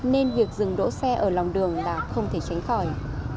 nên việc dừng đỗ xe ở lòng đường là không thể tránh khỏi